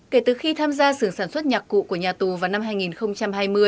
kể từ khi tham gia xưởng sản xuất nhạc cụ của nhà tù vào năm hai nghìn hai mươi